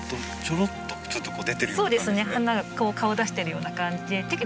ちょろっとちょっと出てるような感じですね。